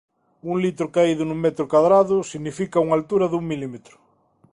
Un litro caído nun metro cadrado significa unha altura dun milímetro.